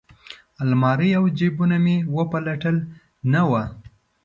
المارۍ او جیبونه مې وپلټل نه وه.